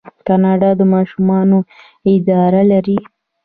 کاناډا د ماشومانو اداره لري.